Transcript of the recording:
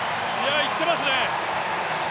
いってますね。